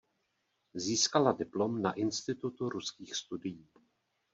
Získala diplom na Institutu ruských studií.